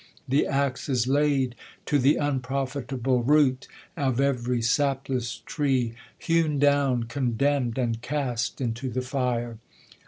the axe Is laid to the unprofitable root Of every sapless tree, hewn down, condemn'd And cast into the fire.